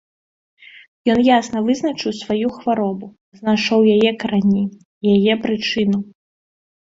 Ён ясна вызначыў сваю хваробу, знайшоў яе карані, яе прычыну.